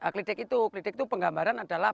kelitik itu kelitik itu penggambaran adalah